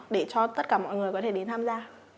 để cho tất cả mọi người có thể đến tham gia